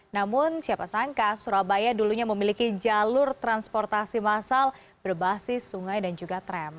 namun siapa sangka surabaya dulunya memiliki jalur transportasi masal berbasis sungai dan juga tram